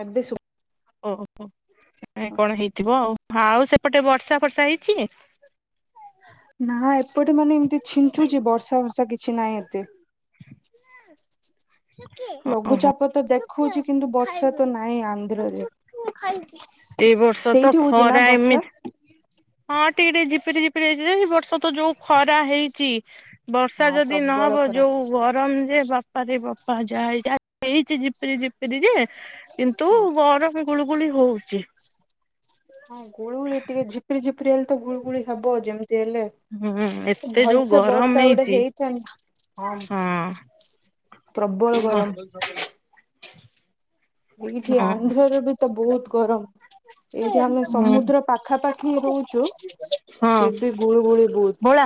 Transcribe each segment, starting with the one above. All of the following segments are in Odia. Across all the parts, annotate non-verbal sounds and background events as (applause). ଆଦେ ସୁ ଓହୋ କେଜାଣି କଣ ହେଇଥିବ ଆଉ ଆଉ ସେପଟେ ବର୍ଷା ଫର୍ଷା ହେଇଛି? ନା ଏପଟେ ମାନେ ଏମିତି ଛିଞ୍ଚୁଛି ବର୍ଷା ଭର୍ଷା କିଛି ନାହିଁ ଏତେ। (inaudible) ଓହୋ। ଲଘୁଚାପ ତ ଦେଖଉଛି କିନ୍ତୁ ବର୍ଷା ତ ନାହିଁ ଆନ୍ଧ୍ରା ରେ। ଏଇ ବର୍ଷ ତ ହଉଛି ନା ଖରା ବର୍ଷା? ଏମିତି। ହଁ ଟିକେ ଟିକେ ଜିପିରି ଜିପରି ହେଇଛି ଜେ ଏଇ ବର୍ଷ ତ ଯୋଉ ଖରା ହେଇଛି। ବର୍ଷା ହଁ ଯଦି ପ୍ରବଳ ନହବ ଖରା ଯୋଉ ଗ ଗରମ ଯେ ବାପ ରେ ବାପା ଯା ହେଇଛି ଆଜି ହେଇଛି ଝିପିରି ଝିପିରି ଯେ କିନ୍ତୁ। ହଁ। ଗରମ ଗୁଳୁଗୁଳି ହଉଛି। ହଁ ଗୁଳୁଗୁଳି ଟିକେ ଝିପିରି ଝିପିରି ହେଲେ ତ ଗୁଳୁଗୁଳି ହବ ଯେମିତି ହେଲେ। ହୁଁ ଏତେ ଯୋଉ ଭଲସେ ଗରମ ବର୍ଷା ଗୋଟେ ହେଇଛି ହେଇଥାନ ହଁ। ହଁ ପ୍ରବଳ ଗରମ। ହଁ। ଏଇଠି ହଁ ଆନ୍ଧ୍ରରେ ବି ତ ବହୁତ ଗରମ। ଏଇଠି ଆମେ ସମୁଦ୍ର ପାଖାପାଖି ରହୁଛୁ ହଁ ଫିରବି ଗୁଳୁ ଗୁଳି ବହୁତ। ଭୋଳା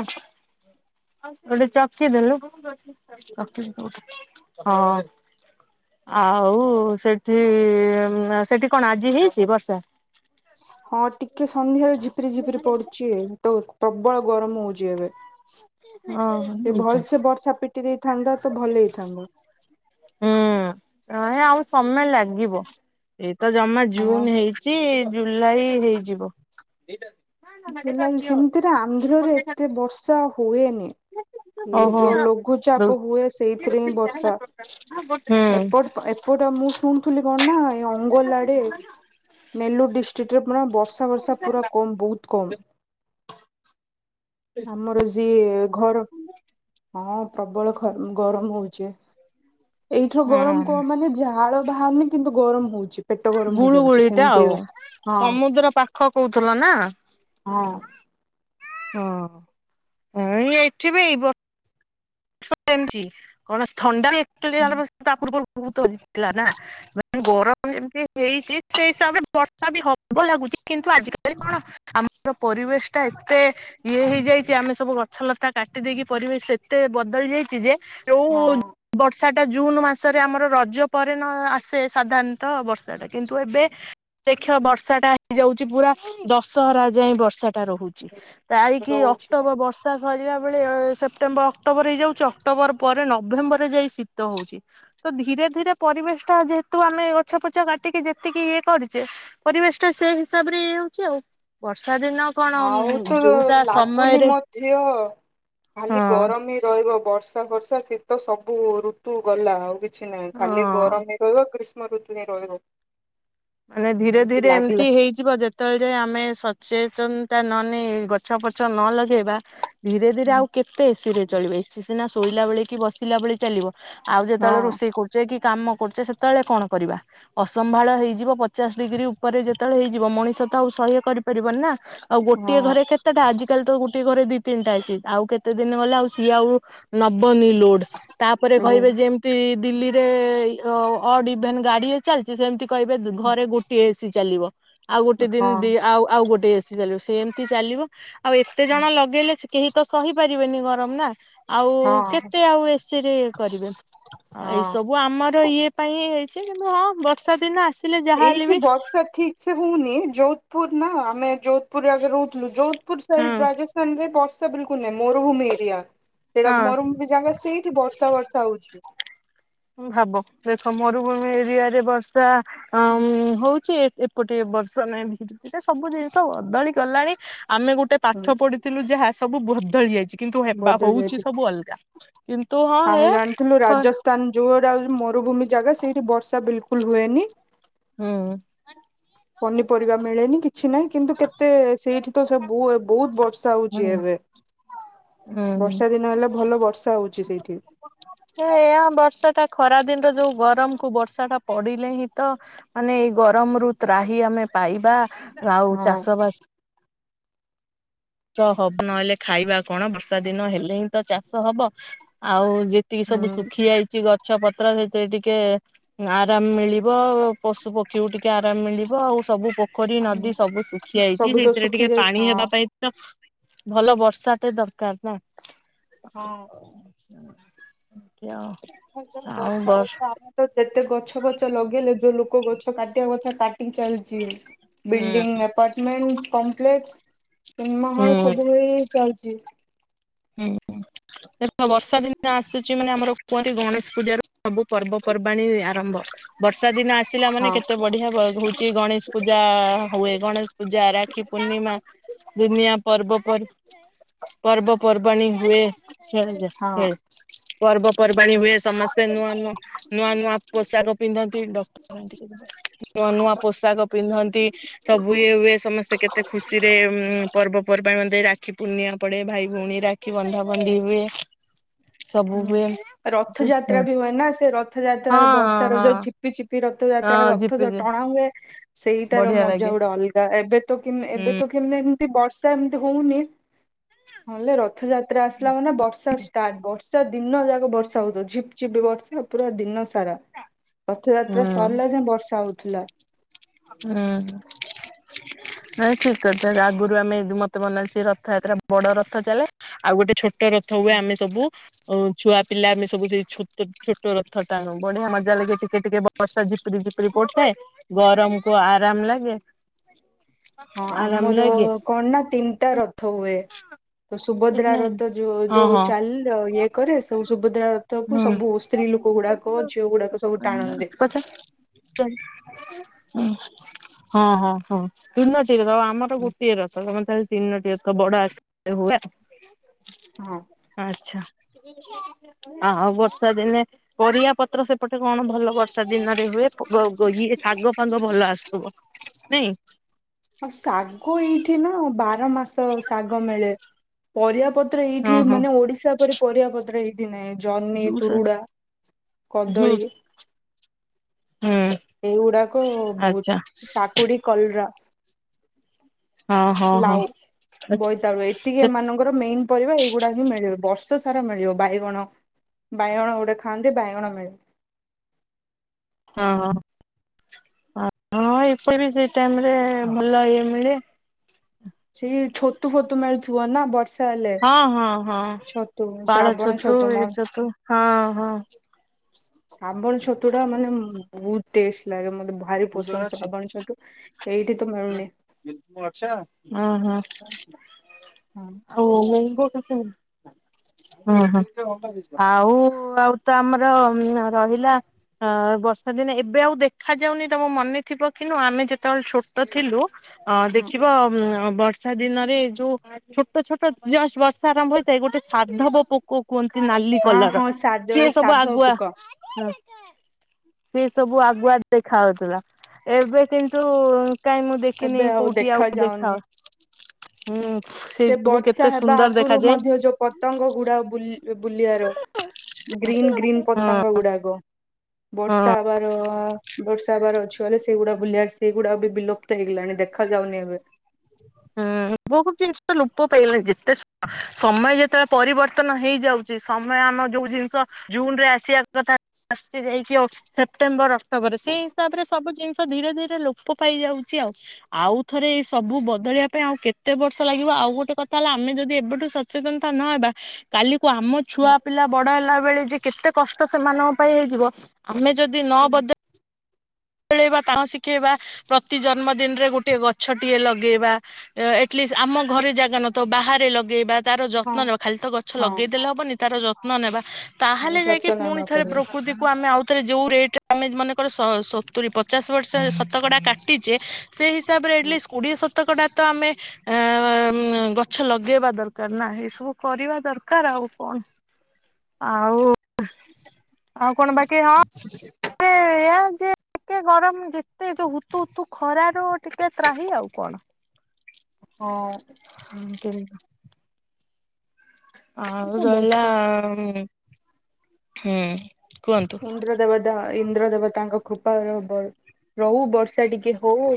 ହଁ। ଆଉ ସେଠି ସେଠି କଣ ଆଜି ହେଇଛି ବର୍ଷା। ହଁ ଟିକେ ସନ୍ଧ୍ୟାରେ ଝିପରି ଝିପିରି ପଡୁଛି ତ ପ୍ରବଳ ଗରମ ହଉଛି ଏବେ। ଓହୋ ଟିକେ ଭଲ ଦଉଛନ୍ତି। ସେ ବର୍ଷା ପିଟି ଦେଇଥାନ୍ତା ତ ଭଲ ହେଇଥାନ୍ତା। ହୁଁ ନାଇଁ ଆଉ ସମୟ ଲାଗିବ ଏଇ ତ ଜମା ହଁ। ଜୁନ ହେଇ ଛି ଜୁଲାଇ ହେଇଯିବ। ଲାଇ ସେମିତିରେ ଆନ୍ଧ୍ରରେ ଏତେ ବର୍ଷା ହୁଏନି। ଏ ଓହୋ ଯୋଉ ହୁଁ ଲଘୁଚାପ ହୁଏ ସେଇଥିରେ ହିଁ ବର୍ଷା ଏପ ଏ ପଟା ମୁଁ ଶୁଣୁଥିଲି କଣ ନା ଏଇ ଅଙ୍ଗୋଲା ଆଡେ ନେଲୋ ଡିଷ୍ଟ୍ରିକ୍ଟ ରେ ପୁର ବର୍ଷା ବର୍ଷା ବର୍ଷା ପୁରା କମ ବହୁତ କମ୍। ଆମର ସିଏ ଘର ହଁ ପ୍ରବଳ ଘ ଗରମ ହଉଛି। ଏଇଠିର ଗରମ କଣ ମାନେ ଝାଳ ବାହାରୁନି କିନ୍ତୁ ଗରମ ହଉଛି। ପେଟ ଗରମ ହେଇଯାଉଛି ଗୁଳୁଗୁଳିଟା ସେମିତି ଆଉ ହଁ ହଁ ସମୁଦ୍ର ପାଖ କହୁଥିଲ ନା। ହଁ। ହଁ ଏଇ ଏଠି ବି ଏଇ ବ ଏମି କଣ ଥଣ୍ଡା ତା ଏତଳେ ପୂର୍ବରୁ ବହୁତହେଇଥିଲା ନା। ମ ଗରମ ଯେମିତି ହେଇଛି ସେଇ ହିସାବରେ ବର୍ଷା ବି ହବ ଲାଗୁଛି କିନ୍ତୁ ଆଜି କାଲି କଣ ଆମର ପରିବେଶ ଟା ଏତେ ଇଏ ହେଇଯାଇଛି ଆମେ ସବୁ ଗଛ ଲତା କାଟି ଦେଇକି ପରିବେଶ ଏତେ ବଦଳି ଯାଇଛି ଯେ ହଁ। ବର୍ଷାଟା ଜୁନ ମାସରେ ଆମର ରଜ ପରେ ନ ଆସେ ସାଧାରଣତଃ ବର୍ଷାଟା କିନ୍ତୁ ଏବେ ଦେଖିବ ବର୍ଷା ଟା ହେଇଯାଉଛି ପୁରା ଦଶହରା ଯାଏ ବର୍ଷା ଟା ରହୁଛି। ଯାଇକି ରହୁଛି। ଅକ୍ଟୋବର ବର୍ଷା ସରିଲା ବେଳେ ସେପ୍ଟେମ୍ବର ଅକ୍ଟୋବର ହେଇଯାଉଛି ଅକ୍ଟୋବର ପରେ ନଭେମ୍ବର ରେ ଯାଇ ଶୀତ ହଉଛି। ତ ଧୀରେ ଧୀରେ ପରିବେଶ ଟା ଯେହେତୁ ଆମେ ଗଛ ପଛ କାଟିକି ଯେତିକି ଇଏ କରିଛେ ପରିବେଶ ଟା ସେଇ ହିସାବ ରେ ଇଏ ହଉଛି ଆଉ, ବର୍ଷା ଦିନ କଣ ଆଉ ତ ଯୋଉଟା ଲାଗୁନି ସମୟରେ ମଧ୍ୟ ଖାଲି ହଁ ଗରମ ହିଁ ରହିବ ବର୍ଷା ବର୍ଷା ବର୍ଷା ଶୀତ ସବୁ ଋତୁ ଗଲା ଆଉ କିଛି ନାହିଁ ଖାଲି ହଁ। ଗରମ ହିଁ ରହିବ ଗ୍ରି ଷ୍ମ ଋତୁ ଯାଇ ରହିବ। ମାନେ ଧୀରେ ଧୀରେ ଏମିତି ହେଇଯିବ ଯେ ଯେତେବେଳେ ଯାଏଁ ଆମେ ସଚେତନତା ନ ନେଇ ଗଛ ପଛ ନ ଲଗେଇବା ଧୀରେ ଧୀରେ ହଁ ଆଉ କେତେ ଏସି ରେ ଚଳିବେ, ଏସି ସିନା ଶୋଇଲା ବେଳେ କି ବସିଲା ବେଳେ ଚାଲିବ। ଆଉ ଯେତେବେଳେ ରୋଷେଇ କରୁଛେ କି କାମ କରୁଛେ ସେତେବେଳେ କଣ କରିବା ଅସମ୍ଭାଳ ହେଇଯିବ। ପଚାଶ ଡିଗ୍ରୀ ଉପରେ ଯେତେବେଳେ ହେଇଯିବ ମଣିଷ ତ ଆଉ ସହ୍ୟ କରିପାରିବନି ନା ଆଉ ଗୋଟିଏ ହଁ ଘରେ କେତେଟା ଆଜି ଆଜି କାଲି ତ ଗୋଟେ ଘରେ ଦି ତିନିଟା ଏସି ଆଉ କେତେ ଦିନ ଗଲେ ଆଉ ସିଏ ଆଉ ନବନି ଲୋଡ ତାପରେ କହିବେ ଯେମ ତି ଦିଲ୍ଲୀରେ ଅଡ ଇଭେନ୍ ଗାଡି ଚାଲିଛି ସେମତି କହିବେ ଘ ଗୋଟଏ ଏସି ଚାଲିବ, ଆଉ ଗୋଟେ ଦିନ ଦ ହଁ ଆଉ ଆଉ ଗୋଟେ ଏସି ଚାଲିବ, ସେ ଏମିତି ଚାଲିବ। ଆଉ ଏତେ ଜଣ ଲଗେଇଲେ ସେ କେହି ତ ସହିପାରିବେନି ଗରମ ନା। ଆଉ ହଁ କେତେ ଆଉ ଏସି ରେ କରିବେ ଏଇ ହଁ। ସବୁ ଆମର ଇଏ ପାଇଁ ହେଇଛି କିନ୍ତୁ ହଁ ବର୍ଷା ଦିନ ଆସିଲେ ଯାହାହେଲେ ଏଇଠି ବି ବର୍ଷା ଠିକ ସେ ହଉନି, ଯୋଧପୁର ନା ଆମେ ଯୋଧପୁରରେ ଆଗେ ରହୁଥିଲୁ ଯୋଧପୁର ସ ହଁ ରାଜସ୍ଥାନରେ ବର୍ଷା ବିଲକୁଲ ନାଇଁ ମରୁଭୂମି ଏରିଆ ସେଟା ହଁ। ମରୁଭୂ ଯାଙ୍ଗ ସେଇଠି ବର୍ଷା ବର୍ଷା ହଉଛି। ଭାବ ଦେଖ ମରୁଭୂମି ଏରିଆ ରେ ବର୍ଷା ଅ ହଉଛି ଗୋଟଏ ବର୍ଷ ନାଇଁ ଧୀରେ ଧୀରେ ସବୁ ଜିନିଷ ବଦଳି ଗଲାଣି ଆମେ ଗୋଟେ ହୁଁ ପାଠ ପଢି ଥିଲୁ ଯାହା ସବୁ ବଦଳି ଯାଇଛି। କିନ୍ତୁ ହେବା ବଦଳି ଯାଇଛି। ହଉଛି ସବୁ ଅଲଗା କିନ୍ତୁ ହଁ ହେ ତାନ ଯୋଉରା ମରୁଭୂମି ଜାଗା ସେଇଠି ବର୍ଷା ବିଲକୁଲ ହୁଏନି। ହୁଁ। ପନିପରିବା ମିଳେନି କିଛି ନାହିଁ କିନ୍ତୁ କେତେ ସେଇଠି ତ ବହୁତ ବର୍ଷା ହଉଛି ହୁଁ ଏବେ। ହୁଁ ବର୍ଷା ଦିନ ହେଲେ ଭଲ ବର୍ଷା ହଉଛି ସେଇଠି। ହେ ଏୟା ବର୍ଷା ଟା ଖରା ଦିନର ଯୋଉ ଗରମ କୁ ବର୍ଷା ଟା ପଡିଲେ ହିଁ ତ ମାନେ ଏଇ ଗରମ ରୁ ତ୍ରାହି ଆମେ ପାଇବା ଆଉ ହଁ ଚାଷବାସ ଚାଷ ହବ ନହେଲେ ଖାଇବା କଣ ବର୍ଷା ଦିନ ହେଲେ ହିଁ ତ ଚାଷ ହବ, ଆଉ ତିକି ସବୁ ହୁଁ। ଶୁଖି ଯାଇଛି ଗଛ ପତ୍ର ସେଥିରେ ଟିକେ ଆରାମ ମିଳିବ। ପଶୁ ପକ୍ଷୀକୁ ଟିକେ ଆରାମ ମିଳିବ ଆଉ ସବୁ ପ ଖରୀ ନଦୀ ସବୁ ଶୁଖି ଯାଇଚି ସବୁ ତ ସେଇଥିରେ ଶୁଖି ଟିକେ ଯାଇଛି ପାଣି ହଁ ହେବା ପାଇଁ ତ ଭଲ ବର୍ଷାଟେ ଦରକାର ନା। ହଁ। (inaudible) ଏମତି ଆଉ ଯୋଉ ଆଉ ଏ ବର୍ଷା ବସ୍ ବର୍ଷା ଆମେ ତ ଯେତେ ଗଛ ଫଛ ଲଗେଇଲେ ଯୋଉ ଲୋକ ଗଛ କାଟିବା କଥା କାଟିକି ଚାଲିଯିଏ। ବଲଡିଂ, ଆପାର୍ଟମେଣ୍ଟସ୍, କପ୍ଲେକ୍ସ, ସିନେମା ହୁଁ ହଲ, ସବୁ (unintelligible) ଚାଲଚି। ହୁଁ। ଦେଖ ବର୍ଷା ଦିନ ଆସୁଚି ମାନେ ଆମର କୁହନ୍ତି ଗଣେଶ ପୂଜର ସବୁ ପର୍ବପର୍ବାଣୀ ଆରମ୍ଭ। ବର୍ଷା ଦିନ ଆସିଲା ମାନେ ହଁ କେତେ ବଢିଆ ବ-ହୋଉଚି ଗଣେଶ ପୂଜା ହୁଏ ଗଣେଶ ପୂଜା, ରାକ୍ଷୀ ପୂର୍ଣ୍ଣିମା, ଦୁିନିଆ ପର୍ବ ପର୍ ପର୍ବପର୍ବାଣୀ ହୁଏ ସିଆଡେ ଯାଆ ହଁ। ସିଆଡେ ପର୍ବପର୍ବାଣୀ ହୁଏ। ସମସ୍ତେ ନୂଆ ନୂଆ ନୂଆ ନୂଆ ପୋଷାକ ପିନ୍ଧନ୍ତି ଡକରାନ୍ତି ନୂଆ ନୂଆ ପୋଷାକ ପିନ୍ଧନ୍ତି। ସବୁ ଇଏ ହୁଏ ସମସ୍ତେ କେତେ ଖୁସିରେ ଉଁ ପର୍ବପର୍ବାଣି ମାନ ତ ଏ ରାକ୍ଷୀ ପୂର୍ଣ୍ଣିମା ପଡେ ଭାଇ ଭୋଉଣି ରାକ୍ଷୀ ବନ୍ଧାବନ୍ଧି ହୁଏ ସବୁ ହୁଁ। ହୁଏ। ରଥଯାତ୍ରା ବି ହୁଏନା ସେ ହଁ ରଥଯାତ୍ରାରେ ହଁ ବର୍ଷର ଯୋଉ ହଁ ଝିପି ଝିପି ରଥଯାତ୍ରା ହଁ ର ଥ ତ ଝିପିଝି ଟଣା ହୁଏ ସେଇଟାର ବଢିଆ ଲାଗେ। ମଜା ଗୋଟା ଅଲଗା ଏବେ ତ କିନ୍ ହୁଁ। ଏବେ ତ ହେଲେ ଏମତି ବର୍ଷା ଏମତି ହୋଉନି ନହଲେ ରଥଯାତ୍ରା ଆସିଲା ମାନେ ବର୍ଷା ଷ୍ଟାଟ୍ ବର୍ଷା ଦିନ ଯା ବର୍ଷା ହୋଉଥୁବ ଝିପ ଝିପ ବର୍ଷା ପୁରା ଦିନ ସାରା ରଥଯାତ୍ରା ହୁଁ। ସରଲା ଯାଏଁ ବର୍ଷା ହୋଉ ଥୁଲା। ହୁଁଉଁ। ନାଇଁ ଠିକ କଥ ନା ଆଗରୁ ଆମେ ଦୁ ମତେ ମନେ ଅଛ ରଥଯାତ୍ରା ବଡ ରଥ ଚାଲେ। ଆଉ ଗୋଟେ ଛୋଟ ରଥ ହୁଏ ଆମେ ସବୁ ଆଉ ଛୁଆ ପିଲା ଆମେ ସବୁ ସେଇ ଛୋଟ ଛୋଟ ରଥ ଟାଣୁ ବଢିଆ ମଜା ଲାଗେ ଟିକେ ଟିକେ ବ ବର୍ଷା ଝିପିରି ଝିପିରି ପଡୁଥାଏ ଗରମକୁ ଆରାମ ଲାଗେ। ହଁ ଆରାମ ଆମର ଲାଗେ। କଣ ନା ତିନଟା ରଥ ହୁଏ। ତ ସୁଭଦ୍ରା ନାଇଁ ରଥ ଯୋଉ ହଁ ଯୋଉ ହଁ। ଚାଲ ଅ ଇଏ କରେ ସବୁ ସୁଭଦ୍ରା ର ଥକୁ ହୁଁ। ସବୁ ସ୍ତ୍ରୀଲୋକ ଗୁଡାକ ଝିଅଗୁଡାକ ସବୁ ଟାଣନ୍ତି। ଉଁ ହଁ ହଁ ହଁ। ତିନୋଟି ରର ଆଉ ଆମର ଗୋଟିଏ ରଥ ତମର ତାହାଲ ତିନୋଟି ରଥ ବଡ଼ ଆକାରରେ ହୁଏ। ହଁ। ଆଚ୍ଛା। ଆଉ ବର୍ଷା ଦିନେ ପରିବା ପତ୍ର ସେପଟେ କଣ ଭଲ ବର୍ଷ୍ ର୍ଷା ଦିନରେ ହୁଏ ପ ଗ ଗ ଇଏ ଶାଗ ଫାଗ ଭଲ ଆସୁଥୁବ ନାଇଁ? ଆଉ ଶାଗ ଏଇଠି ନା ବାର ମାସ ଶାଗ ମିଳେ। ପରିବାପତ୍ର ହଁ ଏଇଠି ହଁ ମାନେ ଓଡିଶା ପରି ପରିବାପତ୍ର ଏଇ ନାଇଁ ଜହ୍ନି, ଜୁସ୍ ତୁରୁଡା, ଜୁସ୍ କଦଳୀ। ହୁଁ। ଏଇଗୁଡାକ ଆଚ୍ଛା ବୋହୁତ କାକୁଡି, କଲରା ହଁ ହଁ ହଁ ଲାଉ, ବୋଇତାଳୁ ଏଇ ତିକି ଏମାନଙ୍କର ମେନ୍ ପରିବା ଏଇଗୁଡା ହିଁ ମିଳେ ବର୍ଷ ସାରା ମିଳିବ ବାଇଗଣ ବାଇଗଣ ଗୋଟେ ଖାଆନ୍ତି ବାଇଗଣ ମିଳେ। ହଁ ଓହୋ ହଁ ଏପଟେ ବି ସେଇ ଟାଇମରେ ଭଲ ଇଏ ମିଳେ। ସେଇ ଛତୁ ଫତୁ ମଳୁଥୁବ ନା ବର୍ଷ୍ ହଁ ହଁ ହଁ ପାଳ ଶ୍ରାବଣ ଛତୁ ମୋର ଏ ଛତୁ ହଁ ହଁ। ସାବଣ ଛତୁଟା ମାନେ ଉଁମ୍ ବୋହୁତ ଟେଷ୍ଟ ଲାଗେ ମତେ ଭ ଭାରି ପସନ୍ଦ ସବଣି ଛତୁ ଏଇଠି ତ ମିଳୁନି। ହ ହଁ ହ (unintelligible) ହୁଁ ହୁଁ ଆଉ ଆଉ ତ ଆମର ରହିଲା ଅ ବର୍ଷା ଦିନେ ଏବେ ଆଉ ଦେଖାାଯାଉନି। ତମ ମନେ ଥିବ କି ନୁହଁ ଆମେ ଯେତେବେଳେ ଛୋଟ ଥିଲୁ ହଁ ଦେଖିବ ବର୍ଷ ବର୍ଷା ଦିନରେ ଯୋଉ ଛୋଟ ଛୋଟ ଜଷ୍ଟ୍ ବର୍ଷା ଆରମ୍ଭ ହେଇଥାଏ ଗୋଟେ ସାଧବ ପୋକ ହୁଅନ୍ତି ନାଲି ହଁ କଲର ହଁ ସାଧ ସିଏ ସବୁ ସାଧ ଆଗୁଆ ପୋକ ହ ସିଏ ସବୁ ଆଗୁଆ ଦେଖାହୁଅନ୍ତି। ହେଲା ଏବେ କିନ୍ତୁ କାହିଁ ମୁଁ ଦେଖିନି ଏବେ କୋଉଠି ଦେଖା ଆଉ ଯାଉନି। ଦେଖାଅ ହୁଁ ସେ ସେଇ ସବୁ ବର୍ଷା କେତେ ହେବା ସୁନ୍ଦର ଆଗରୁ ଦେଖାଯାଏ। ମଧ୍ୟ ଯୋଉ ପତଙ୍ଗ ଗୁଡା ବୁଲିବାର ଗ୍ରୀନ ଗ୍ରୀନ୍ ହଁ ପତଙ୍ଗ ଗୁଡାକ। ହଁ ବର୍ଷା ହେବାର ବର୍ଷା ହେବାର ଅଛି ଗଲେ ସେଇଗୁଡା ବୁଲିବା ସେଇଗୁଡାକ ବି ବିଲ ହେଇଗଲାଣି ଦେଖାଯାଉନି ଏବେ। ହୁଁ ପୁଅକୁ କିଏ ସେଟା ଲୁପ ପାଇଗଲା ଯେତେ ସବ୍ ସମୟ ଯେତେବେଳେ ପରିବର୍ତ୍ତନ ହେଇଯାଉଛି ସମୟ ଆମ ଯୋଉ ଜିନିଷ ଜୁନ ରେ ଆସିବା କଥା ଆସି ଯାଇକି ଅ ସେପ୍ଟେମ୍ବର ବରେ ସେଇ ହିସାବ ରେ ସବୁ ଜିନିଷ ଧୀରେ ଧୀରେ ଲୋପ ପାଇଯାଉଛି ଆଉ। ଆଉ ଥରେ ଏଇ ସବୁ ବଦଳିବା ପାଇଁ ଆଉ କେତେ ବର୍ଷ ଲାଗିବ ଆଉ ଗୋଟେ କଥା ହେଲା ଆମେ ଯଦି ଏବେଠୁ ସତ୍ ସଚେତନତା ନହେବା। କାଲିକୁ ଆମ ଛୁଆ ହଁ ପିଲା ବଡ ହେଲା ବେଳେ ଯେ କେତେ କଷ୍ଟ ସେମାନଙ୍କ ପାଇଁ ହେଇଯିବ। ଆମେ ଯଦି ନ ବଦ ଖେଳେଇବା ତାଙ୍କୁ ଶିଖେଇବା ପ୍ରତି ଜନ୍ମଦିନରେ ଗୋଟେ ଗଛଟିଏ ଲଗେଇବା। ଆଟଲିଷ୍ଟ ଆମ ଘରେ ଜାଗା ନ ଥାଉ ବାହାରେ ଲଗେଇବା। ତାର ହଁ ଯତ୍ନ ନେବା ଖାଲି ତ ଗଛ ହଁ ଲଗେଇଦେଲେ ହବନି ତାର ଯତ୍ନ ନେବା। ତାହେଲେ ଯାଇକି ଯତ୍ନ ପୁଣି ନେବାକୁ ଥରେ ପଡିବ। ପ୍ରକୃତି କୁ ଆମେ ଆଉଥରେ ଯୋଉ ରେଟ ଆମେ ମାନେକର ସ ସତୁରି ପଚାଶ ବର୍ଷ ଶତକଡା କାଟିଛେ ସେ ହିସାବ ରେ ଆଟଲିଷ୍ଟ କୋଡିଏ ଶତକଡ଼ା ତ ଆମେ ଏ ଗଛ ଲଗେଇବା ଦରକାର ନା ଏଇ ସବୁ କରିବା ଦରକାର ଆଉ କଣ। ଆଉ ଆଉ କଣ ବାକି ହଁ। ସେଇଆ ଯେ ଏତେ ଗରମ ଯେତେ ଯୋଉ ହତୁ ଉତୁ ଖରା। ଠୁ ଟିକେ ତ୍ରାହିୀ ଆଉ କଣ। ହୋଓ। ହଁ କିଣିଲା। ଆଉ ରହିଲା ବର୍ଷା ଉଁ ହୁଁ। କୁହନ୍ତୁ। ଇନ୍ଦ୍ର ଦେବତା ଇନ୍ଦ୍ର ଦେବତା ଙ୍କ କୃପା ରହୁ ବର୍ଷା ଟିକେ ହଉ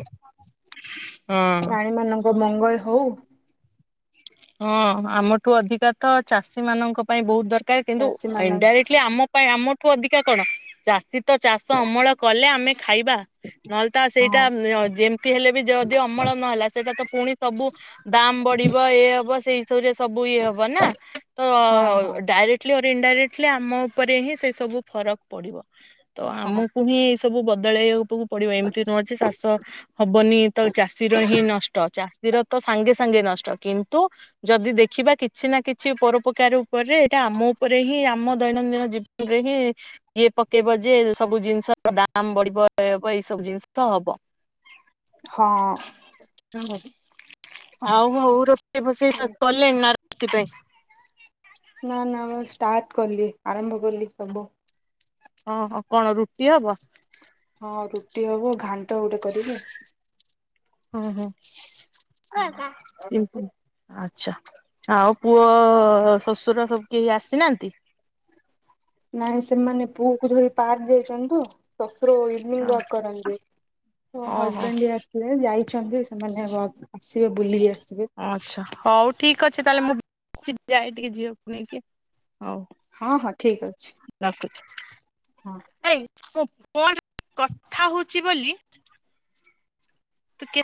ହଁ। ପ୍ରାଣୀ ମାନଙ୍କ ମଙ୍ଗଳ ହଉ। ହଁ ଆମଠୁ ଅଧିକା ତ ଚାଷୀ ମାନଙ୍କ ପାଇଁ ବହୁତ ଦରକାର କିନ୍ତୁ ଚାଷୀ ମାନଙ୍କ ଇଣ୍ଡାଇରେକ୍ଟଲି ଆମ ପାଇଁ ଆମଠୁ ଅଧିକା କଣ ଚାଷୀ ତ ଚାଷ ଅମଳ କଲେ ଆମେ ଖାଇବା। ନହେଲେ ତ ସେଇଟା ହଁ ଅ ଯ ଜିମ ହେଲେ ବି ଯଦି ଅମଳ ନହେଲା ସେଇଟା ତ ପୁଣି ସବୁ ଦାମ ବଢିବ ଇଏ ହବ ସେଇ ରେ ସବୁ ଇଏ ହବ ନା ତ ହଁ ହଁ ଡାଇରେକ୍ଟ ଲି ଇନଡାଇରେକ୍ଟ୍ଲି ଆମ ଉପରେ ହିଁ ସେ ସବୁ ଫରକ ପଡିବ ତ ହଁ ଆମକୁ ହିଁ ସବୁ ବଦଳେଇବାକୁ ତମକୁ ପଡିବ ଏମିତି ନୁହଜେ ଚାଷ ହବନି ତ ଚାଷୀର ହିଁ ନଷ୍ଟ ଚାଷୀର ତ ସାଙ୍ଗେ ସାଙ୍ଗେ ନଷ୍ଟ କିନ୍ ତୁ ଯଦି ଦେଖିବା କିଛି ନା କିଛି ପରୋପକାର ଉପରେ ଏଇଟା ଆମୋ ଉପରେ ହିଁ ଆମ ଦୈନନ୍ଦିନ ଜୀବନରେ ହିଁ ଇଏ ପକେଇବ ଯେ ସବୁ ଜିନିଷର ଦାମ ବଢିବ ଏଇ ହବ ଏ ସବୁ ଜିନିଷ ତ ହବ। ହଁ। ହଉ ଆଉ ମୋ ବୋଉ ରୋଷେଇ ଫୋଷେଇ ସବୁ କଲେଣି ନା ରାତି ପାଇଁ। ନା ନା ମୁଁ ଷ୍ଟାର୍ଟ କଲି ଆରମ୍ଭ କଲି ସବୁ। ହଁ ହ କଣ ରୁଟି ହବ। ହଁ ରୁଟି ହବ ଘାଣ୍ଟ ଗୋଟେ କରିବି ଆଉ। ହୁଁ ହୁଁ। ଆଚ୍ଛା ଆଉ ପୁଅ ଶଶୁର ସବୁ କେହି ଆସିନାହାନ୍ତି। ନାଇଁ ସେମାନେ ପୁଅ କୁ ଧରି ପାର୍କ ଯାଇଛନ୍ତିନ୍ତ। ଶଶୁର ୱିନିଙ୍ଗ୍ ୱାକ୍ କରନ୍ତି। ମୋଁ ଓହୋ ହଜ୍ବ୍ୟାଣ୍ଡ୍ ବି ସେ ଯାଇଛନ୍ତି ସେମାନେ ୱାକା ସେ ବୁଲିକି ଆସିବେ। ଆଚ୍ଛା ହଉ ଠିକ୍ ଅଛି ତାହେଲେ ମୁଁ ଯାଏ ଟିକେ ଝିଅକୁ ନେଇକି ହଉ। ହଁ ହଁ ଠିକ୍ ଅଛି। ରଖୁଚି। ହଁ। ଏଇ ମୁଁ ଫୋନ୍ରେ କଥା ହଉଚି ବୋଲି। ତୁ କେ